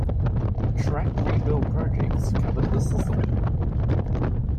Track rebuild projects covered the system.